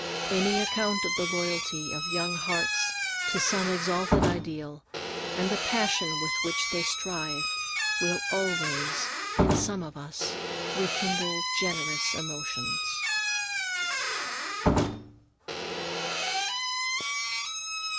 Any account of the loyalty of young hearts to some exalted ideal, and the passion with which they strive, will always, in some of us, rekindle generous emotions.